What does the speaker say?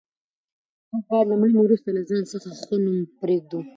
موږ باید له مړینې وروسته له ځان څخه ښه نوم پرېږدو.